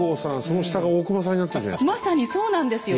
その下が大隈さんになってるじゃないですか。